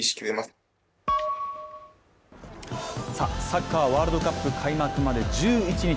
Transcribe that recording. サッカー・ワールドカップ開幕まで１１日。